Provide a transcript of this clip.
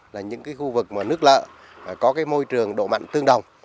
là những khu vực nước lợ có môi trường độ mặn tương đồng